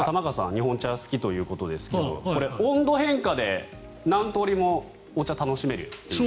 日本茶好きということですがこれ、温度変化で何通りもお茶は楽しめると。